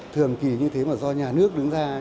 thường kỳ như thế mà do nhà nước đứng ra